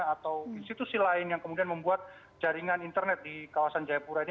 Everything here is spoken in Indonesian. atau institusi lain yang kemudian membuat jaringan internet di kawasan jayapura ini